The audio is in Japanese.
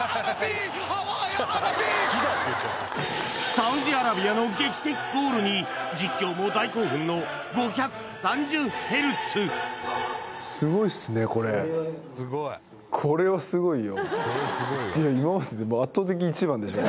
サウジアラビアの劇的ゴールに実況も大興奮の５３０ヘルツすごいっすねこれ今まででもう